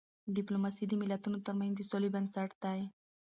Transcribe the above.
ډيپلوماسی د ملتونو ترمنځ د سولې بنسټ دی.